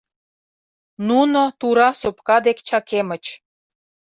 Нуно тура сопка дек чакемыч.